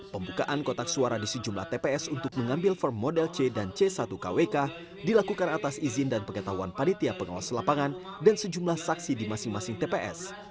pembukaan kotak suara di sejumlah tps untuk mengambil form model c dan c satu kwk dilakukan atas izin dan pengetahuan panitia pengawas lapangan dan sejumlah saksi di masing masing tps